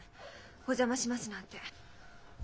「お邪魔します」なんて。